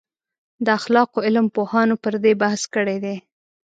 د اخلاقو علم پوهانو پر دې بحث کړی دی.